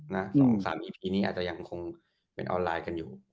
๒๓อีพีนี้อาจจะยังคงเป็นออนไลน์กันอยู่